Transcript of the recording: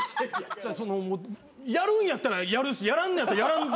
やるんやったらやるしやらんのやったらやらん。